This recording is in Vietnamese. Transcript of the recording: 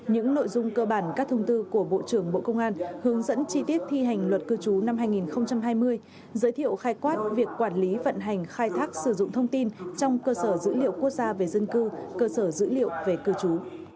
những nội dung cơ bản các thông tư của bộ trưởng bộ công an hướng dẫn chi tiết thi hành luật cư trú năm hai nghìn hai mươi giới thiệu khai quát việc quản lý vận hành khai thác sử dụng thông tin trong cơ sở dữ liệu quốc gia về dân cư cơ sở dữ liệu về cư trú